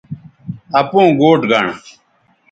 اپوں گوٹھ گنڑ